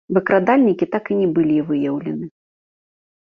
Выкрадальнікі так і не былі выяўлены.